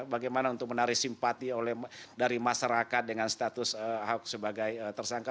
bagaimana untuk menarik simpati dari masyarakat dengan status ahok sebagai tersangka